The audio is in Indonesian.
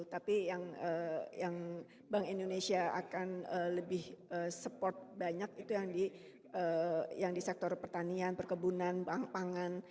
tapi yang bank indonesia akan lebih support banyak itu yang di sektor pertanian perkebunan pangan